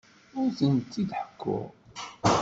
Ur tent-id-ḥekkuɣ.